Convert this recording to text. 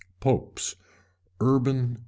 POPES. Urban II.